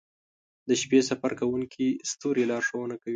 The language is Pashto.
• د شپې سفر کوونکي ستوري لارښونه کوي.